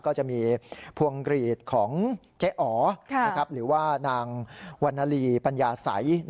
ก็จะมีพวงกรีดของเจ๊อ๋อหรือว่านางวันนาลีปัญญาสัย